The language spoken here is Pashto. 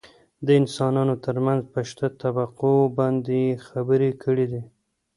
دانسانانو ترمنځ په شته طبقو باندې يې خبرې کړي دي .